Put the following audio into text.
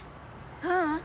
ううん。